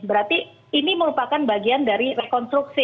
berarti ini merupakan bagian dari rekonstruksi